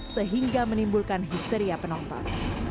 sehingga menimbulkan histeria penonton